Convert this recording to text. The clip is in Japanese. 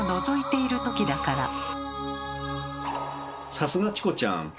さすがチコちゃん。